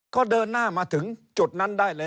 ก็เดินหน้ามาถึงจุดนั้นได้เลย